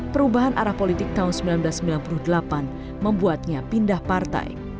perubahan arah politik tahun seribu sembilan ratus sembilan puluh delapan membuatnya pindah partai